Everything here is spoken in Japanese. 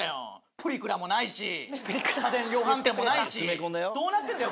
プリクラもないし家電量販店もないしどうなってんだよ